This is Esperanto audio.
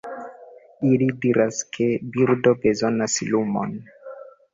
Ili diras ke birdo bezonas lumon.